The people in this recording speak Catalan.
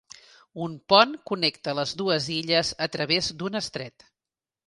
Un pont connecta les dues illes a través d'un estret.